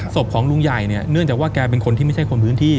ศพของลุงใหญ่เนี่ยเนื่องจากว่าแกเป็นคนที่ไม่ใช่คนพื้นที่